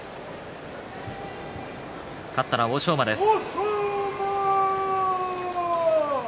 勝ったのは欧勝馬です。